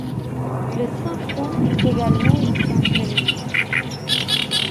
Le sainfoin est également une plante mellifère.